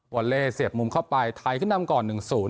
อลเล่เสียบมุมเข้าไปไทยขึ้นนำก่อน๑๐